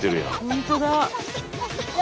本当だ。